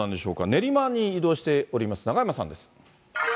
練馬に移動しております、中山さんです。